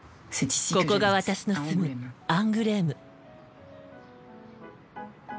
ここが私の住むアングレーム。